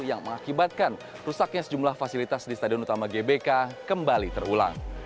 yang mengakibatkan rusaknya sejumlah fasilitas di stadion utama gbk kembali terulang